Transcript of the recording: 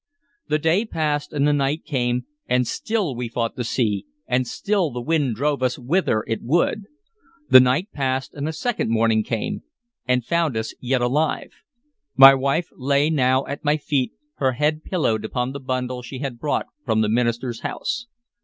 The day passed and the night came, and still we fought the sea, and still the wind drove us whither it would. The night passed and the second morning came, and found us yet alive. My wife lay now at my feet, her head pillowed upon the bundle she had brought from the minister's house.